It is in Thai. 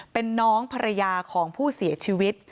เป็นน้องภรรยาของผู้เสียชีวิต